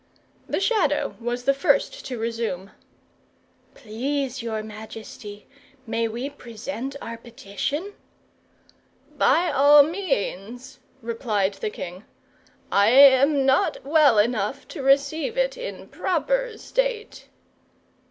The Shadow was the first to resume. "Please your majesty, may we present our petition?" "By all means," replied the king. "I am not well enough to receive it in proper state."